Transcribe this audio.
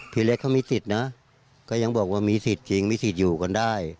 พี่เล็กเขามีสิทธิ์นะก็ยังบอกว่ามีสิทธิ์จริงมีสิทธิ์อยู่กันได้